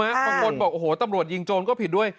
บางคนบอกโอ้โหตำรวจยิงโจรก็ผิดด้วย